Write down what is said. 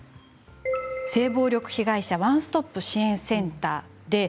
性暴力被害者ワンストップ支援センターです。